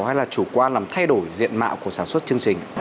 hay là chủ quan làm thay đổi diện mạo của sản xuất chương trình